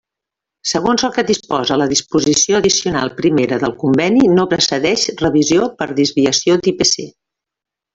Segons el que disposa la disposició addicional primera del conveni no procedix revisió per desviació d'IPC.